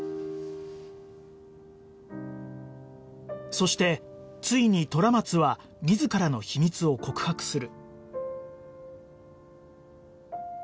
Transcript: そしてついに虎松は自らの秘密を告白する